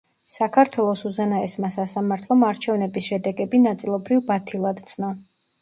საქართველოს უზენაესმა სასამართლომ არჩევნების შედეგები ნაწილობრივ ბათილად ცნო.